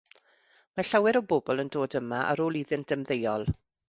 Mae llawer o bobl yn dod yma ar ôl iddynt ymddeol.